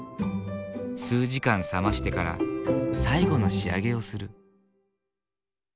数時間冷ましてから最後の仕上げをする。